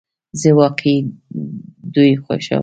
زه واقعی دوی خوښوم